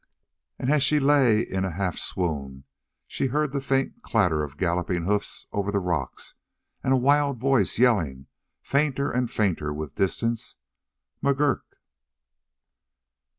And as she lay in a half swoon she heard the faint clatter of galloping hoofs over the rocks and a wild voice yelling, fainter and fainter with distance: "McGurk!"